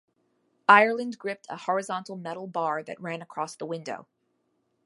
Ireland gripped a horizontal metal bar that ran across the window.